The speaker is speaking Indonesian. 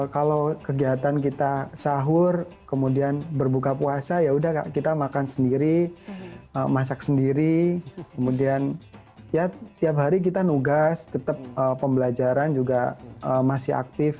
kalau kegiatan kita sahur kemudian berbuka puasa yaudah kita makan sendiri masak sendiri kemudian ya tiap hari kita nugas tetap pembelajaran juga masih aktif